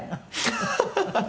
アハハハハ！